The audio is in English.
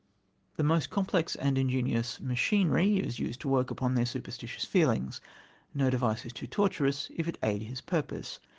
The most complex and ingenious "machinery" is used to work upon their superstitious feelings. No device is too tortuous if it aid his purpose.